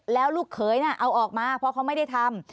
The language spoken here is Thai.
แล้วลูกเขยน่ะเอาออกมาเพราะเขาไม่ได้ทำ